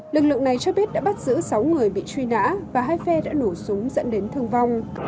lực lượng này cho biết đã bắt giữ sáu người bị truy nã và hai phe đã nổ súng dẫn đến thương vong